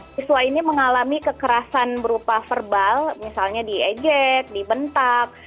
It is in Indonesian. siswa ini mengalami kekerasan berupa verbal misalnya diejek dibentak